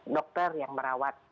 dokter yang merawat